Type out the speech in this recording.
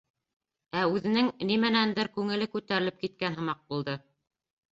Ә үҙенең нимәнәндер күңеле күтәрелеп киткән һымаҡ булды.